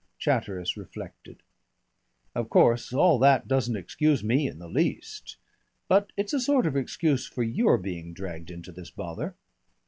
Chatteris reflected. "Of course all that doesn't excuse me in the least. But it's a sort of excuse for your being dragged into this bother."